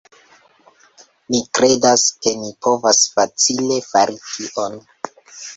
Ni kredas, ke ni povas facile fari tion